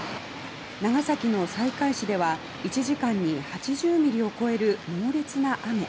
長崎の西海市では１時間に８０ミリを超える猛烈な雨。